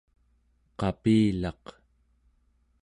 qapilaq